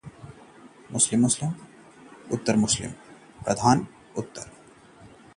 उत्तर प्रदेश से देश को पहली बार एक साथ मिले प्रधानमंत्री और गृह मंत्री